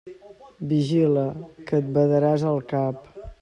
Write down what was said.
Vigila, que et badaràs el cap!